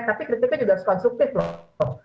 tapi kritiknya juga harus konstruktif loh